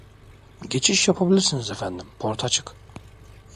Geçiş yapabiliriz efendim port açık